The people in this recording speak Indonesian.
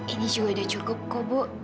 ini juga udah cukup kok bu